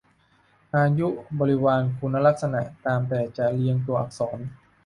อายุ บริวาร คุณลักษณะตามแต่จะเรียงตัวอักษร